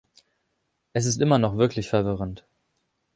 Es ist immer noch wirklich verwirrend.